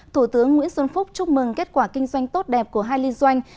thủ tướng nguyễn xuân phúc chúc mừng kết quả kinh doanh tốt đẹp của hai liên doanh